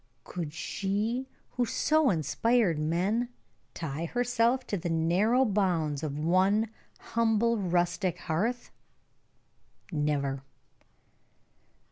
Could she who so inspired men tie herself to the narrow bounds of one humble, rustic hearth? Never!